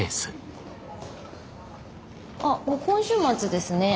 あっもう今週末ですねえ